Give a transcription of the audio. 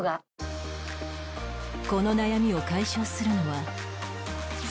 この悩みを解消するのは Ｍａｔｔ